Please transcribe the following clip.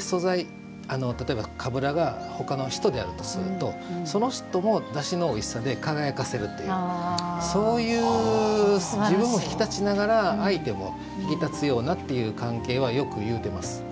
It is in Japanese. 素材、例えば、かぶらが他の人であるとするとその人もだしのおいしさで輝かせるという自分も引き立ちながら相手も引きたつようなという関係はよく言うてます。